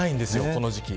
この時期。